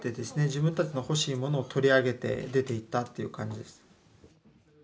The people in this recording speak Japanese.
自分たちの欲しいものを取り上げて出ていったっていう感じです。